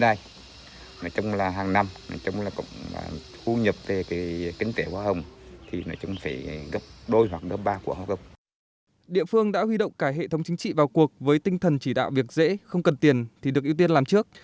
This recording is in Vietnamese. địa phương đã huy động cả hệ thống chính trị vào cuộc với tinh thần chỉ đạo việc dễ không cần tiền thì được ưu tiên làm trước